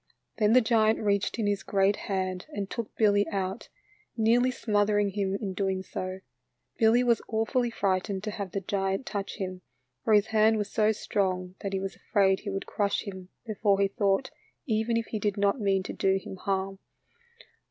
Then the giant reached in his great hand and took Billy out, nearly smothering him in so doing. Billy was awfully frightened to have the giant touch him, for his hand was so strong that he was afraid he would crush him before he thought, even if he did not mean to do him harm.